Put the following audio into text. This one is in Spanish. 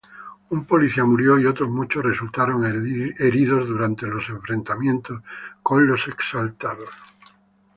Un policía murió y otros muchos resultaron heridos durante los enfrentamientos con los exaltados.